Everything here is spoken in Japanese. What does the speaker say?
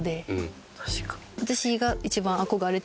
私が。